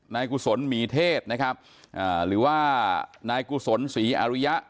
กุศลหมีเทศนะครับอ่าหรือว่านายกุศลศรีอริยะ